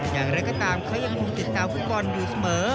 อย่างไรก็ตามเขายังคงติดตามฟุตบอลอยู่เสมอ